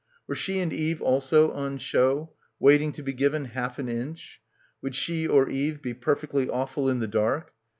Were she and Eve also "on show"; waiting to be given "half an inch"; would she or Eve be "per fectly awful in the dark?"